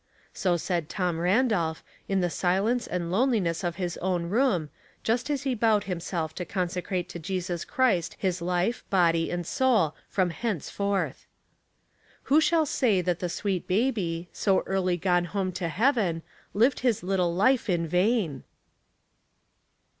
So said Tom Randolph, i i ihe silence and lone liness of his own room, just as he bowed himself to consecrate to Jesus Christ his life, body and soul, from henceforth. Who shall say that the sweet baby, so early gone home to heaven, lived his little life in vain?